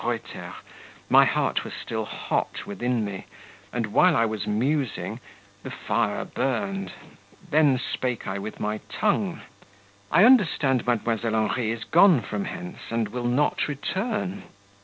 Reuter, my heart was still hot within me, and while I was musing the fire burned; then spake I with my tongue: "I understand Mdlle. Henri is gone from hence, and will not return?"